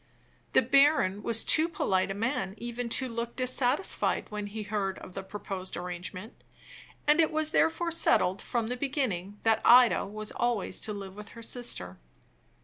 The baron was too polite a man even to look dissatisfied when he heard of the proposed arrangement; and it was therefore settled from the beginning that Ida was always to live with her sister.